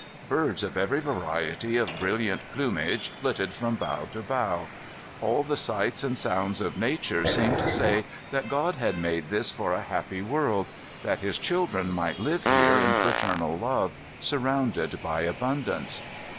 Birds of every variety of brilliant plumage flitted from bough to bough. All the sights and sounds of nature seemed to say that God had made this for a happy world; that his children might live here in fraternal love, surrounded by abundance.